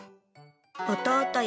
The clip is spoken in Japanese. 弟よ